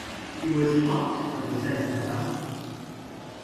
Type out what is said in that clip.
He was hot on the scent now.